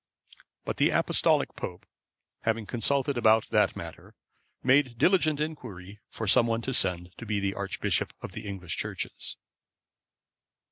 But the Apostolic pope having consulted about that matter, made diligent inquiry for some one to send to be archbishop of the English Churches.